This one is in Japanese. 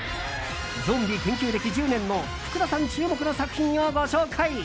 ゾンビ研究歴１０年の福田さん注目の作品をご紹介。